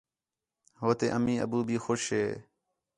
ہو تے امی، ابّو بھی خوش ہِے